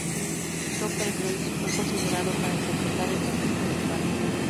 Topher Grace fue considerado para interpretar el papel principal.